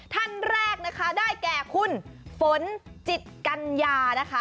ท่านแรกนะคะได้แก่คุณฝนจิตกัญญานะคะ